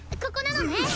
ここなのね？